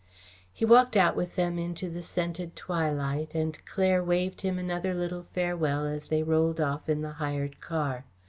He walked out with them into the scented twilight and Claire waved him another little farewell as they rolled off in the hired car.